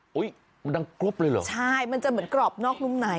มันดังกรุ๊ปเลยเหรอใช่มันจะเหมือนกรอบนอกนุ่มใน